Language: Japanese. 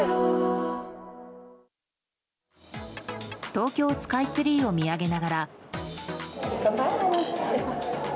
東京スカイツリーを見上げながら。